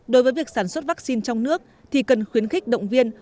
đối với việc sản xuất vaccine trong nước thì cần khuyến khích động viên